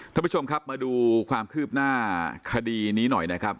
ท่านผู้ชมครับมาดูความคืบหน้าคดีนี้หน่อยนะครับ